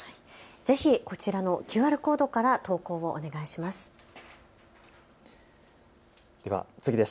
ぜひこちらのＱＲコードから投稿をお願いします。